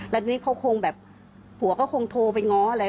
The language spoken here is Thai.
แล้วทีนี้เขาคงแบบผัวก็คงโทรไปง้ออะไร